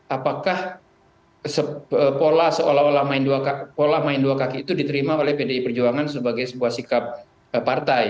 apakah pola main dua kaki itu diterima oleh pdi perjuangan sebagai sebuah sikap partai